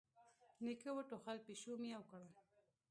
نيکه وټوخل، پيشو ميو کړل.